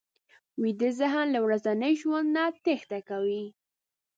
ویده ذهن له ورځني ژوند نه تېښته کوي